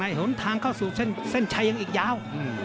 ถูกนึงทางเข้าสู่เส้นเส้นชายังอีกยาว